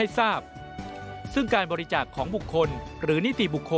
๕เงินจากการรับบริจาคจากบุคคลหรือนิติบุคคล